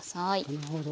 なるほど。